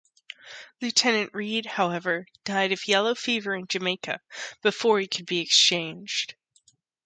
Lieutenant Reed, however, died of yellow fever in Jamaica before he could be exchanged.